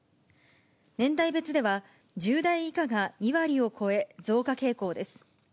年代別では、１０代以下が２割を超え増加傾向です。